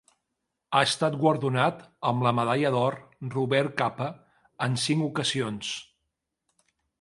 Ha estat guardonat amb la Medalla d'Or Robert Capa en cinc ocasions.